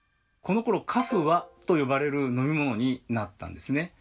このころ「カフワ」と呼ばれる飲み物になったんですね。